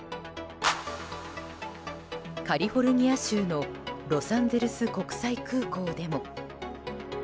カリフォルニア州のロサンゼルス国際空港でも。